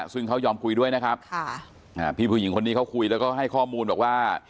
ซึ่งเขายอมคุยด้วยนะครับพี่ผู้หญิงคนนี้เขาคุยแล้วก็ให้ข้อมูลบอกว่า